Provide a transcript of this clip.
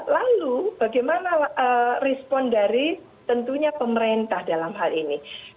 lalu bagaimana respon dari tentunya pemerintah dalam hal ini